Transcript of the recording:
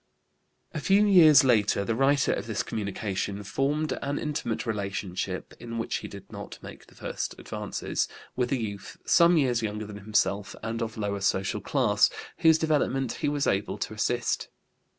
A few years later the writer of this communication formed an intimate relationship (in which he did not make the first advances) with a youth, some years younger than himself and of lower social class, whose development he was able to assist.